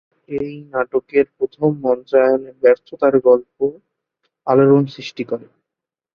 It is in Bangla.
এই নাটকের প্রথম মঞ্চায়নের ব্যর্থতার গল্প আলোড়ন সৃষ্টি করে।